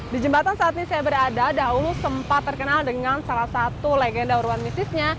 di jembatan saat ini saya berada dahulu sempat terkenal dengan salah satu legenda uruan misisnya